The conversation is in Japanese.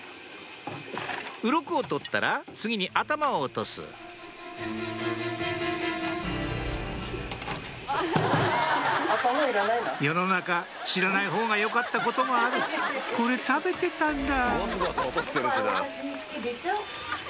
うろこを取ったら次に頭を落とす世の中知らないほうがよかったこともある「これ食べてたんだ」